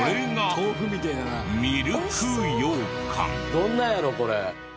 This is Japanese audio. どんなんやろう？これ。